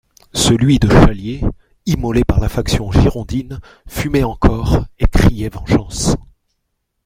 Celui de Chalier, immolé par la faction girondine, fumait encore et criait vengeance.